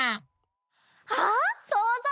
あっそうぞう！